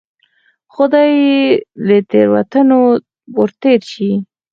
خدای یې له تېروتنو ورتېر شي.